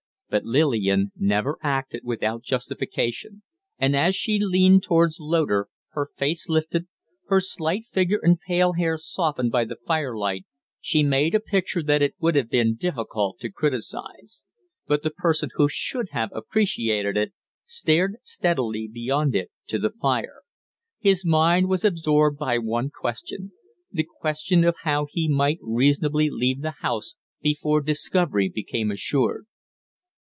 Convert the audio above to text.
But Lillian never acted without justification, and as she leaned towards Loder her face lifted, her slight figure and pale hair softened by the firelight, she made a picture that it would have been difficult to criticise. But the person who should have appreciated it stared steadily beyond it to the fire. His mind was absorbed by one question the question of how he might reasonably leave the house before discovery became assured.